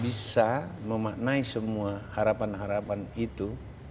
bisa memaknai semua harapan harapan itu